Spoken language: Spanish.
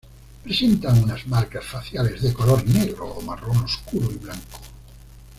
Presentan unas marcas faciales de color negro o marrón oscuro y blanco.